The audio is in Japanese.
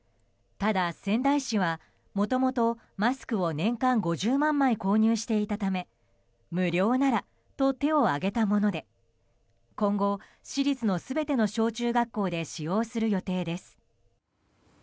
ただ、仙台市はもともとマスクを年間５０万枚購入していたため無料ならと手を挙げたもので今後、市立の全ての小中学校で使用する予定です。